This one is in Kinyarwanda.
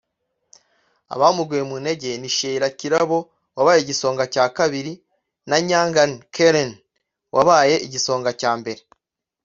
Abamuguye mu ntege ni Sheila Kirabo wabaye igisonga cya kabiri na Nyangan Karen wabaye igisonga cya mbere